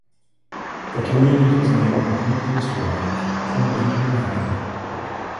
The community's name ultimately is derived from Benjamin Franklin.